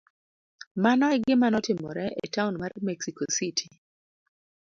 Mano e gima notimore e taon mar Mexico City.